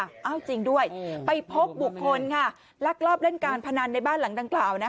เอาจริงด้วยไปพบบุคคลค่ะลักลอบเล่นการพนันในบ้านหลังดังกล่าว